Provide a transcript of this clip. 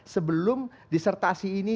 sebelum disertasi ini